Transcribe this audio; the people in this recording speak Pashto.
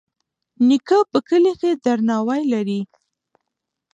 نیکه په کلي کې درناوی لري.